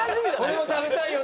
俺も食べたいよ